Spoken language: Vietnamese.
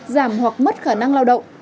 giảm hoặc mất khả năng lao động